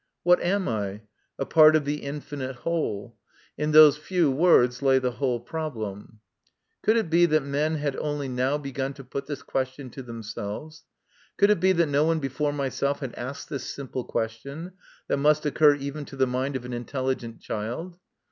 What am I ? a part of the infinite whole. In those few words lay the whole problem. Could it be that men had only now begun to 'put this question to themselves ? Could it be that no one before myself had asked this simple question, that must occur even to the mind of an intelligent child